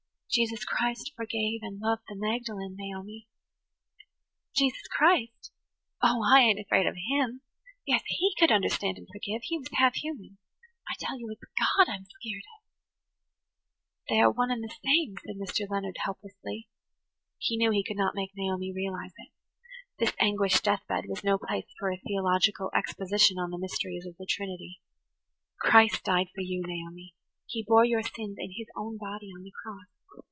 "Jesus Christ forgave and loved the Magdalen, Naomi." "Jesus Christ? Oh, I ain't afraid of Him. Yes, He could understand and forgive. He was half human. I tell you it's God I'm skeered of." "They are one and the same," said Mr Leonard helplessly. He knew he could not make Naomi realize it. This anguished death bed was no place for a theological exposition on the mysteries of the Trinity. "Christ died for you, Naomi. He bore your sins in His own body on the cross."